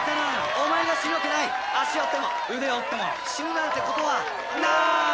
お前が死ぬわけない足折っても腕折っても死ぬなんてことはなーい！